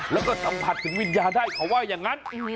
แล้วก็สัมผัสถึงวิญญาณได้เขาว่าอย่างนั้น